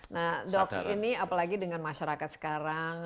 nah dok ini apalagi dengan masyarakat sekarang